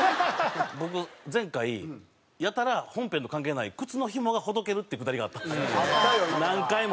僕前回やたら本編と関係ない靴のひもがほどけるってくだりがあったんですよ何回も。